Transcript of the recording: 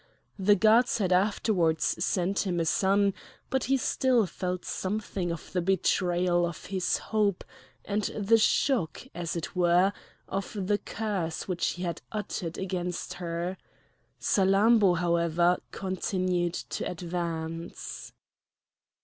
The gods had afterwards sent him a son; but he still felt something of the betrayal of his hope, and the shock, as it were, of the curse which he had uttered against her. Salammbô, however, continued to advance.